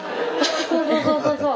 そうそうそうそうそう。